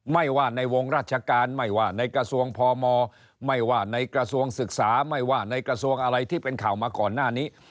ไม่ว่าในวงราชการไม่ว่าในกระทรวงพมไม่ว่าในกระทรวงศึกษาไม่ว่าในกระทรวงอะไรที่เป็นข่าวมาก่อนหน้านี้